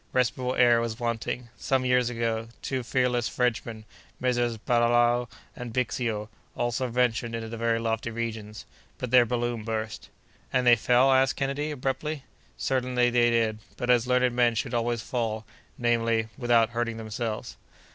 Respirable air was wanting. Some years ago, two fearless Frenchmen, Messrs. Barral and Bixio, also ventured into the very lofty regions; but their balloon burst—" "And they fell?" asked Kennedy, abruptly. "Certainly they did; but as learned men should always fall—namely, without hurting themselves."